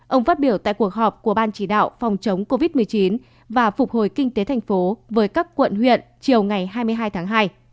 ông phát biểu tại cuộc họp của ban chỉ đạo phòng chống covid một mươi chín và phục hồi kinh tế thành phố với các quận huyện chiều ngày hai mươi hai tháng hai